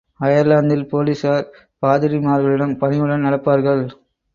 அயர்லாந்தில் போலிஸார் பாதிரிமார்களிடம் பணிவுடன் நடப்பார்கள்.